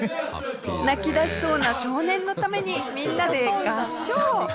泣きだしそうな少年のためにみんなで合唱。